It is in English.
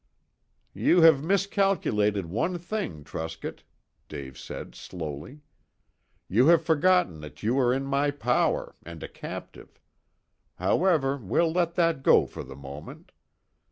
"You have miscalculated one thing, Truscott," Dave said slowly. "You have forgotten that you are in my power and a captive. However, we'll let that go for the moment.